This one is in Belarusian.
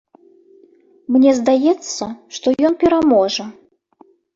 Мне здаецца, што ён пераможа.